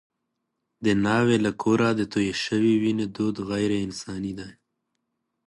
د ناوې له کوره د تویې شوې وینې دود غیر انساني دی.